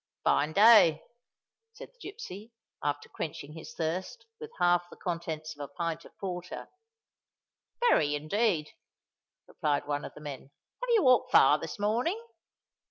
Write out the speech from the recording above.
"Fine day," said the gipsy, after quenching his thirst with half the contents of a pint of porter. "Very, indeed," replied one of the men. "Have you walked far this morning?"